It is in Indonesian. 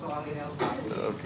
karena tadi dikasih malat remistrasi